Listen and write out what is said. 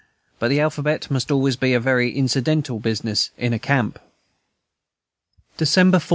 But the alphabet must always be a very incidental business in a camp. December 14.